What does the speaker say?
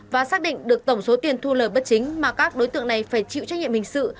và xác định được tổng số tiền thu lời bất chính mà các đối tượng này phải chịu trách nhiệm hình sự